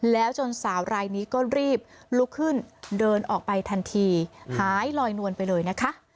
แล้วจนสาวรายนี้ก็รีบลุกขึ้นเดินออกไปทันทีหายลอยนวลไปเลยนะคะ